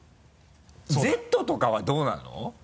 「Ｚ」とかはどうなの？